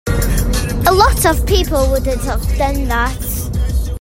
A lot of people wouldn't have done that.